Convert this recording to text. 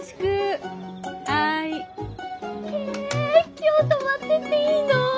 今日泊まってっていいの？